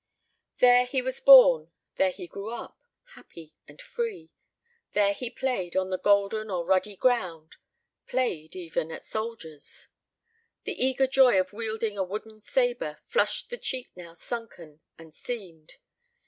There was he born, there he grew up, happy and free. There he played, on the golden or ruddy ground; played even at soldiers. The eager joy of wielding a wooden saber flushed the cheeks now sunken and seamed.